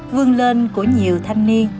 vương lên của nhiều thanh niên